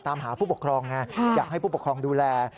ตามหาผู้ปกครองไงอยากให้ผู้ปกครองดูแล